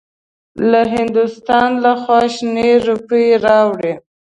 له هندوستان لخوا شنې روپۍ راوړې.